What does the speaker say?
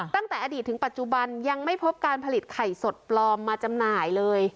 ตั้งแต่อดีตถึงปัจจุบันยังไม่พบการผลิตไข่สดปลอมมาจำหน่ายเลย